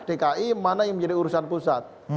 dki mana yang menjadi urusan pusat